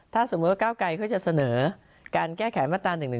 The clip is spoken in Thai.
ถ้าสมมุติว่าก้าวไกรเขาจะเสนอการแก้ไขมาตรา๑๑๒